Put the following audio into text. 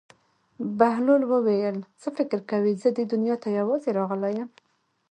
بهلول وویل: څه فکر کوې زه دې دنیا ته یوازې راغلی یم.